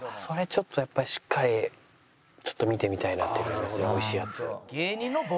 ちょっとやっぱしっかりちょっと見てみたいなっていうのありますね美味しいやつ。